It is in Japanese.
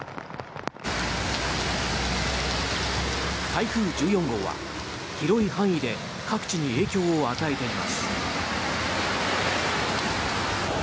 台風１４号は広い範囲で各地に影響を与えています。